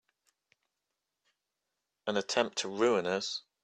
An attempt to ruin us!